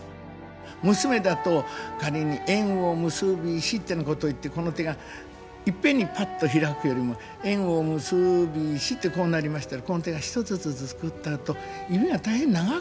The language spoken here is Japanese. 娘だと仮に「縁を結びし」ってなこと言ってこの手がいっぺんにパッと開くよりも「縁を結びし」ってこうなりましたらこの手が一つずつ作ったあと指が大変長く感じる。